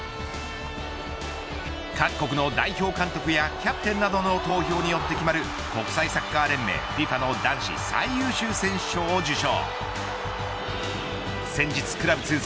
各国の代表監督やキャプテンなどの投票によって決まる国際サッカー連盟ＦＩＦＡの男子最優秀選手賞を受賞。